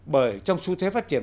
bởi trong xu thế phát triển